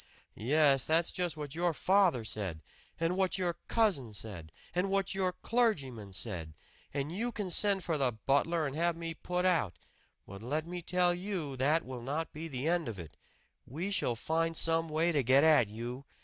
"Yes, that's just what your father said! And what your cousin said! And what your clergyman said! And you can send for the butler and have me put out but let me tell you that will not be the end of it. We shall find some way to get at you!